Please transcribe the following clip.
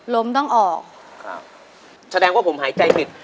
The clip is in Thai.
ต้องออกครับแสดงว่าผมหายใจผิด